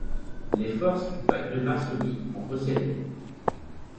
Les forces du pacte de Varsovie en possédaient.